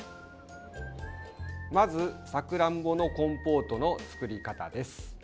まず、さくらんぼのコンポートの作り方です。